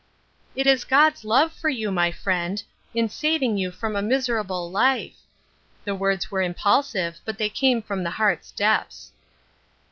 " It is God's love to you, my friend, in saving you from a miserable life." The words were im pulsive, but they came from the heart's depths.